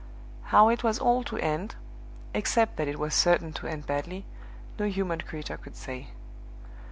How it was all to end (except that it was certain to end badly) no human creature could say.